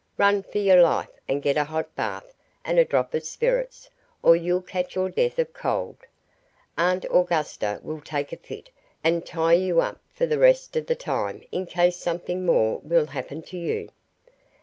Run for your life and get a hot bath and a drop of spirits or you'll catch your death of cold. Aunt Augusta will take a fit and tie you up for the rest of the time in case something more will happen to you."